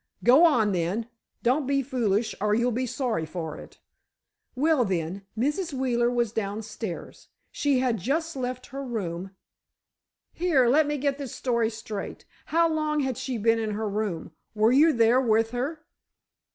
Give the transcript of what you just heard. "Go on, then; don't be foolish, or you'll be sorry for it!" "Well, then, Mrs. Wheeler was downstairs—she had just left her room——" "Here, let me get this story straight. How long had she been in her room? Were you there with her?"